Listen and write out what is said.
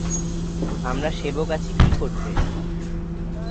আমরা সেবক আছি কী করতে?